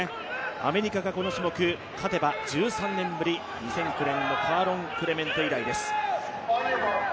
アメリカがこの種目勝てば１３年ぶり２００９年のクレメント以来です。